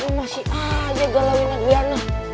lo masih aja galauin adwiana